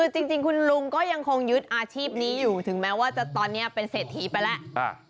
จริงคุณลุงก็ยังคงยึดอาชีพนี้อยู่ถึงแม้ว่าตอนนี้เป็นเศรษฐีไปแล้ว